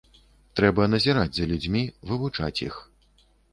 Трэба назіраць за людзьмі, вывучаць іх.